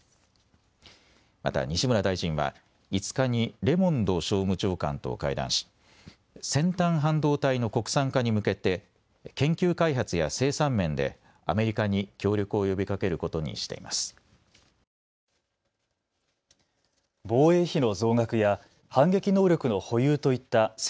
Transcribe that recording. また西村大臣は５日にレモンド商務長官と会談し先端半導体の国産化に向けて研究開発や生産面でアメリカに協力を呼びかけることにしています。